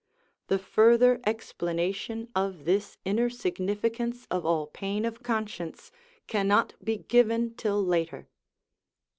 The further explanation of this inner significance of all pain of conscience cannot be given till later.